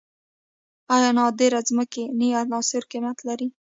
آیا نادره ځمکنۍ عناصر قیمت لري؟